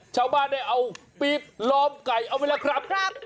ชาวบ้านได้เอาปี๊บล้อมไก่เอาไว้แล้วครับ